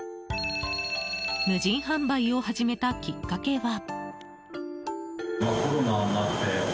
無人販売を始めたきっかけは。